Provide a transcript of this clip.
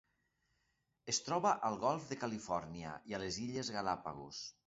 Es troba al Golf de Califòrnia i a les Illes Galápagos.